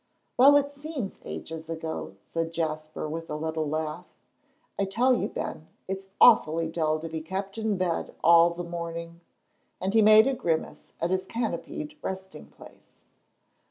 "Well, it seems ages ago," said Jasper, with a little laugh. "I tell you, Ben, it's awfully dull to be kept in bed all the morning," and he made a grimace at his canopied resting place.